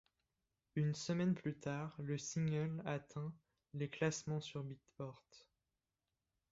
Une semaine plus tard, le single atteint les classements sur Beatport.